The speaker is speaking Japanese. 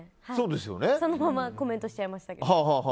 そのままコメントしちゃいましたけど。